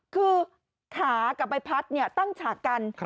คือขากับใบพัดเนี่ยตั้งฉากัน